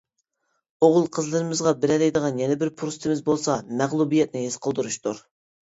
ئوغۇل-قىزلىرىمىزغا بېرەلەيدىغان يەنە بىر پۇرسىتىمىز بولسا مەغلۇبىيەتنى ھېس قىلدۇرۇشتۇر.